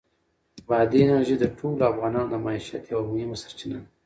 بادي انرژي د ټولو افغانانو د معیشت یوه مهمه سرچینه ده.